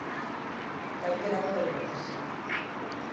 Calquera pode velas.